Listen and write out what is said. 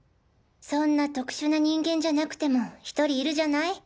そんな特殊な人間じゃなくても１人いるじゃない。